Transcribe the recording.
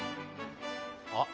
あっ。